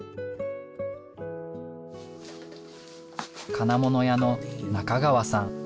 金物屋の中川さん。